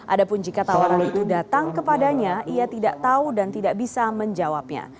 adapun jika tawaran itu datang kepadanya ia tidak tahu dan tidak bisa menjawabnya